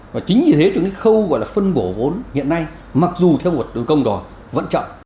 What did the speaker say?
và chính vì thế thì những khâu phân bổ vốn hiện nay mặc dù theo một đường công đó vẫn chậm